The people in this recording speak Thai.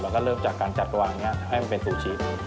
แล้วก็เริ่มจากการจัดวางนี้ให้มันเป็นซูชิ